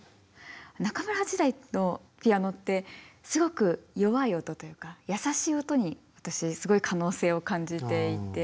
中村八大のピアノってすごく弱い音というか優しい音に私すごい可能性を感じていて。